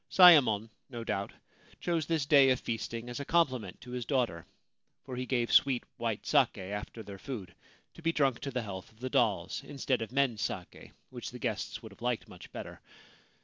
Sayemon, no doubt, chose this day of feasting as a compliment to his daughter — for he gave sweet white sake after their food, to be drunk to the health of the dolls, instead of men's sake, which the guests would have liked much better.